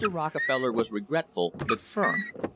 Rockefeller was regretful, but firm.